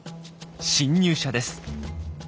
侵入者です。